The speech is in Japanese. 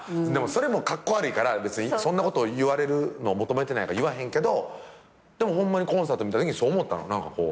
でもそれもカッコ悪いから別にそんなこと言われるのを求めてないから言わへんけどでもホンマにコンサート見たときにそう思ったの。